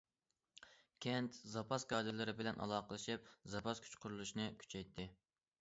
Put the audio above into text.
كەنت زاپاس كادىرلىرى بىلەن ئالاقىلىشىپ، زاپاس كۈچ قۇرۇلۇشىنى كۈچەيتتى.